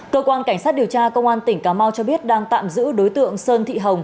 cơ quan cảnh sát điều tra công an tỉnh cà mau cho biết đang tạm giữ đối tượng sơn thị hồng